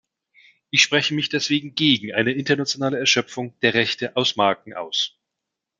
Ich spreche mich deswegen gegen eine internationale Erschöpfung der Rechte aus Marken aus.